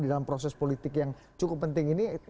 dalam proses politik yang cukup penting ini